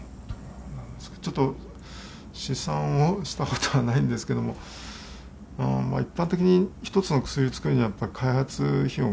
ちょっと、試算をしたことはないんですけれども、一般的に１つの薬を作るには、やっぱり開発費用